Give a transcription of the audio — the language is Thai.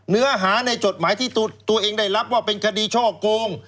เนื้อหาในจดหมายที่ตัวเองได้รับว่าเป็นคดีช่อโกง